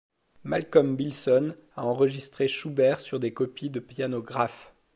Malcolm Bilson a enregistré Schubert sur des copies de pianos Graf.